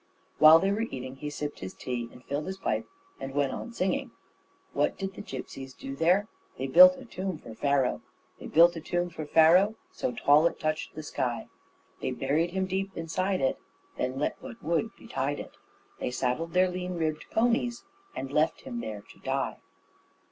While they were eating, he sipped his tea and filled his pipe and went on singing: What did the gipsies do there? They built a tomb for Pharaoh, They built a tomb for Pharaoh, So tall it touched the sky. They buried him deep inside it, Then let what would betide it, They saddled their lean ribbed ponies And left him there to die.